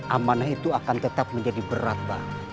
amanah itu akan tetap menjadi berat pak